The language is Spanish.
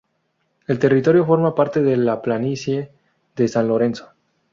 El territorio forma parte de la planicie del San Lorenzo.